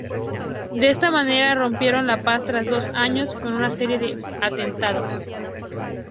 De esta manera, rompieron la paz tras dos años con una serie de atentados.